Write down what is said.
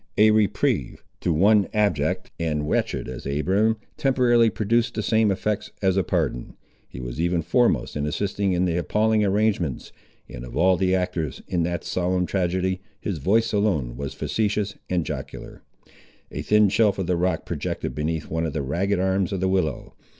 A reprieve, to one abject and wretched as Abiram, temporarily produced the same effects as a pardon. He was even foremost in assisting in the appalling arrangements, and of all the actors, in that solemn tragedy, his voice alone was facetious and jocular. A thin shelf of the rock projected beneath one of the ragged arms of the willow.